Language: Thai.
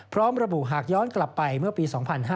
พร้อมระบุหากย้อนกลับไปเมื่อปี๒๕๕๙